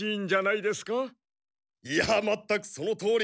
いやまったくそのとおり。